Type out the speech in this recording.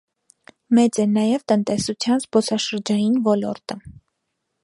Մեծ է նաև տնտեսության զբոսաշրջային ոլորտը։